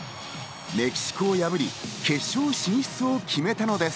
メキシコ破り、決勝進出を決めたのです。